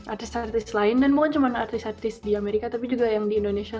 artis artis lain dan bukan cuma artis artis di amerika tapi juga yang di indonesia